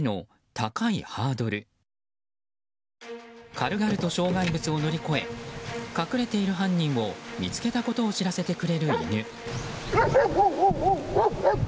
軽々と障害物を乗り越え隠れている犯人を見つけたことを知らせてくれる犬。